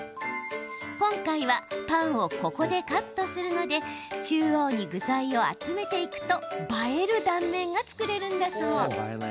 今回はパンをここでカットするので中央に具材を集めていくと映える断面が作れるんだそう。